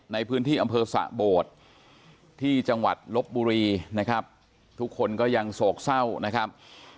ในพื้นที่อำเภอสะโบดที่จังหวัดลบบุรีนะครับทุกคนก็ยังโศกเศร้านะครับ